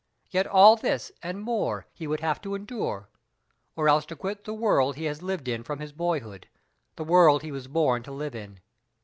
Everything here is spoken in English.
Yet all this, and more, he would have to endure, or else to quit the world he has lived in from his boyhood the world he was born to live in.